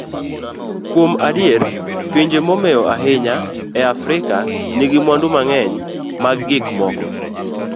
Kuom adier, pinje momewo ahinya e Afrika nigi mwandu mang'eny mag gik moko.